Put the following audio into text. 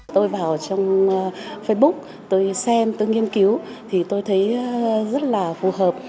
tôi vào trong facebook tôi xem tôi nghiên cứu thì tôi thấy rất là phù hợp